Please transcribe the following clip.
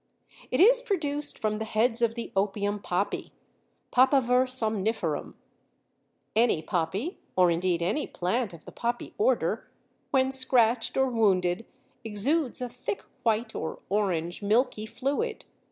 It is produced from the heads of the Opium Poppy (Papaver somniferum). Any poppy (or indeed any plant of the Poppy order) when scratched or wounded exudes a thick white or orange milky fluid.